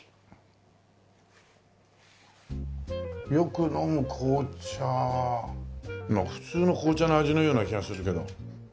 よく飲む紅茶普通の紅茶の味のような気がするけど。